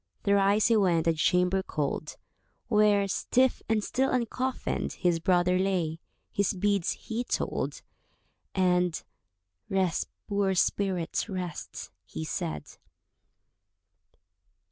Thrice he went to the chamber cold, Where, stiff and still uncoffinèd, His brother lay, his beads he told, And "Rest, poor spirit, rest," he said.